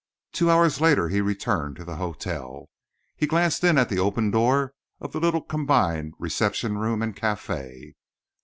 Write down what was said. Two hours later he returned to the hotel. He glanced in at the open door of the little combined reception room and café.